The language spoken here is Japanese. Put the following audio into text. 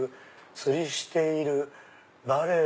釣りしているバレエ。